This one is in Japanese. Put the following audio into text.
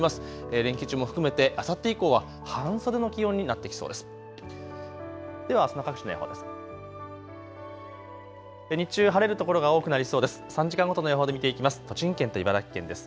連休中も含めてあさって以降は半袖の気温になってきそうです。